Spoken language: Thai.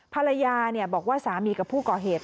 ภรรยาบอกว่าสามีกับผู้ก่อเหตุ